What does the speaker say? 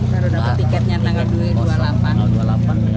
kalau dapat tiketnya tanggal dua dua puluh delapan